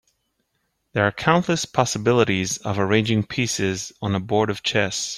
There are countless possibilities of arranging pieces on a board of chess.